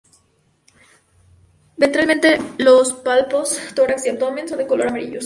Ventralmente los palpos, tórax y abdomen son de color amarillos.